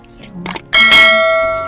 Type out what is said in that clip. di rumah ini